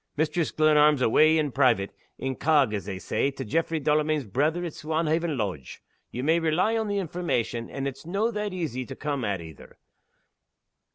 Mistress Glenarm's awa' in private incog, as they say to Jaffray Delamayn's brither at Swanhaven Lodge. Ye may rely on the information, and it's no' that easy to come at either.